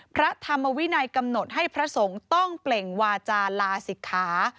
พระธรรมวินัยกำหนดให้พระสงฆ์ต้องเปล่งวาจาลาศิกขา